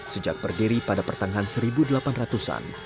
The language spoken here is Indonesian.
sejak berdiri pada pertengahan seribu delapan ratus an